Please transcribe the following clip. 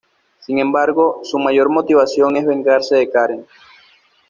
Sin embargo, su mayor motivación es vengarse de Karen.